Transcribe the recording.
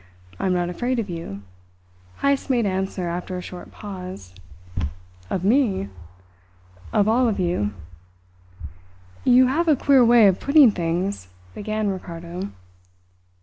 I am not afraid of you," Heyst made answer after a short pause. "Of me?" "Of all of you." "You have a queer way of putting things," began Ricardo.